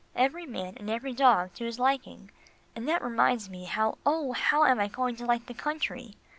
Every man and every dog to his liking, and that reminds me, how, oh! how am I going to like the country?